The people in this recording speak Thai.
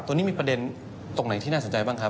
ตรงนี้มีประเด็นตรงไหนที่น่าสนใจบ้างครับ